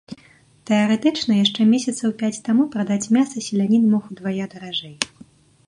Тэарэтычна яшчэ месяцаў пяць таму прадаць мяса селянін мог удвая даражэй.